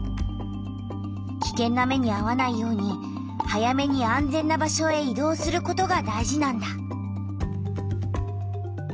きけんな目にあわないように早めに安全な場所へ移動することが大事なんだ。